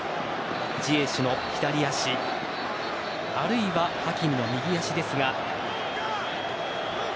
ジエシュの左足あるいはハキミの右足ですが。